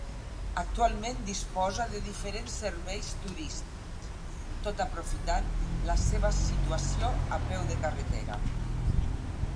Actualment disposa de diferents serveis turístics tot aprofitant la seva situació a peu de carretera.